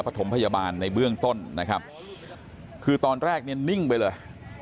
ถมพยาบาลในเบื้องต้นนะครับคือตอนแรกเนี่ยนิ่งไปเลย